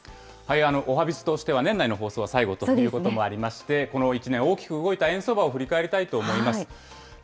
おはＢｉｚとしては年内の放送は最後ということもありまして、この１年、大きく動いた円相場を振り返りたいと思います。